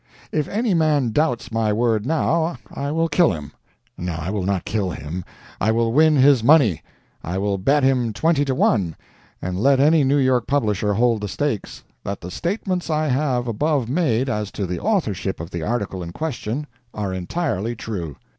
If any man doubts my word now, I will kill him. No, I will not kill him; I will win his money. I will bet him twenty to one, and let any New York publisher hold the stakes, that the statements I have above made as to the authorship of the article in question are entirely true.